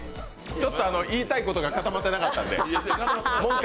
ちょっと言いたいことが固まってなかったんで、もう一回。